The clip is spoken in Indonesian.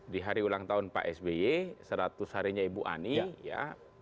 di hari ulang tahun pak sby seratus harinya ibu ani ya